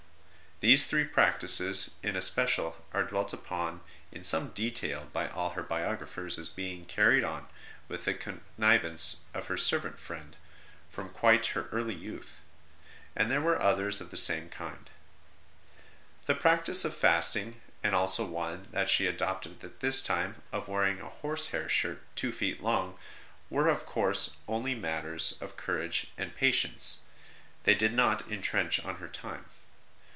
These three practices in especial are d\velt upon in some detail by all her biographers as being carried on, with the con nivance of her servant friend, from quite her early youth ; and there were others of the same kind. The practice of fasting, and also one that she adopted at this time of wearing a horse hair shirt two feet long, were of course only matters of 86 ST. ROSE OF LIMA courage and patience; they did not intrench on her time.